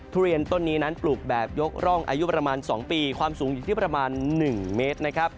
ทุเรียนต้นนี้นั้นปลูกแบบยกร่องอายุประมาณ๒ปีความสูงอยู่ที่ประมาณ๑เมตรนะครับ